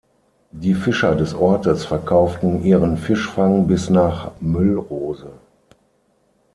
Die Fischer des Ortes verkauften ihren Fischfang bis nach Müllrose.